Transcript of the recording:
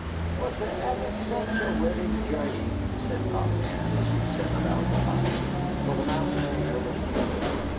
"Was there ever sech a wedding journey!" said Polly Ann, as we sat about the fire, for the mountain air was chill.